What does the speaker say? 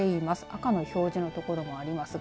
赤の表示の所もあります。